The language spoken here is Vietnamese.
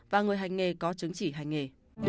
và người hành nghề có chứng chỉ hành nghề